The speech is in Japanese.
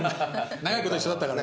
長いこと一緒だったからね。